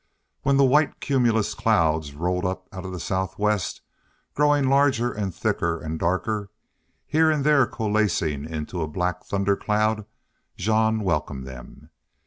When the white cumulus clouds rolled up out of the southwest, growing larger and thicker and darker, here and there coalescing into a black thundercloud, Jean welcomed them.